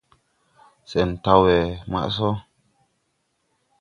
Sɛn taw we maʼ sɔ.